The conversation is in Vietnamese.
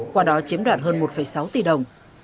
qua đó chiếm đoạt hơn một sáu tỷ đồng